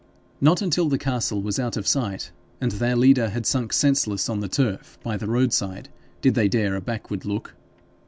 Not until the castle was out of sight, and their leader had sunk senseless on the turf by the roadside, did they dare a backward look.